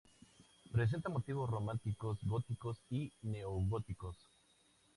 Presenta motivos románicos, góticos y neogóticos.